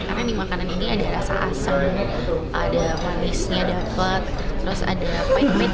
karena di makanan ini ada rasa asam ada manisnya dapat terus ada pait pait